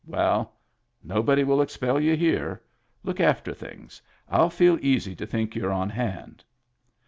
— Well, nobody will expel you here. Look after things. Ill feel easy to think you're on hand."